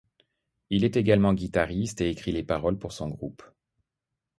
Il est également guitariste et écrit les paroles pour son groupe.